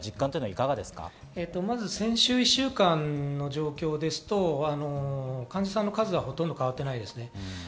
いかがでし先週１週間の状況ですと患者さんの数はほとんど変わっていません。